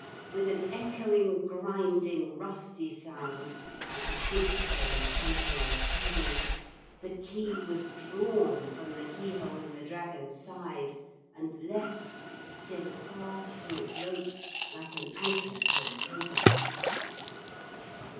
With an echoing grinding rusty sound like a goods train shunting on a siding, the key was drawn from the keyhole in the dragon's side and left still fast to its rope like an anchor to a cable.